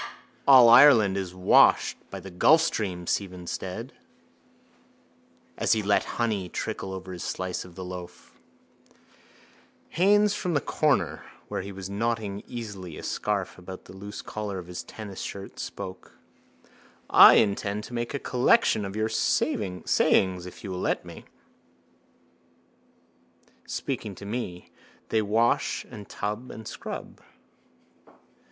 —All Ireland is washed by the gulfstream, Stephen said as he let honey trickle over a slice of the loaf. Haines from the corner where he was knotting easily a scarf about the loose collar of his tennis shirt spoke: —I intend to make a collection of your sayings if you will let me. Speaking to me. They wash and tub and scrub.